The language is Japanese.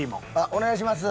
お願いします。